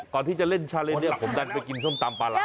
ก่อนที่จะเล่นชาเลนเนี่ยผมดันไปกินส้มตำปลาร้า